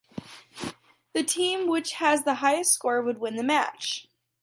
The team which has the highest score would win the match.